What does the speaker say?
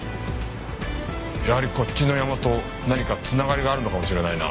やはりこっちのヤマと何か繋がりがあるのかもしれないな。